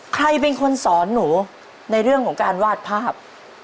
ใครเป็นคนสอนหนูในเรื่องของการวาดภาพ